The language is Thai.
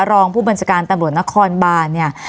รองผู้บัญชาการตำรวจนครบานเนี่ย